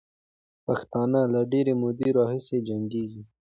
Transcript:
پښتانه له ډېرې مودې راهیسې جنګېږي.